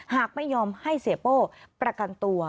หากไม่ยอมให้เสียโป้ประกันตัว